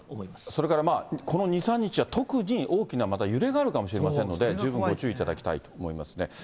それからこの２、３日は、特に、大きな、また揺れがあるかもしれませんので、十分ご注意いただきたいと思いますね。